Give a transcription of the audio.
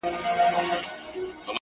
ستا د واده شپې ته شراب پيدا کوم څيښم يې؛